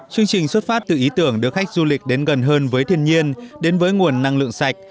chương trình xuất phát từ ý tưởng đưa khách du lịch đến gần hơn với thiên nhiên đến với nguồn năng lượng sạch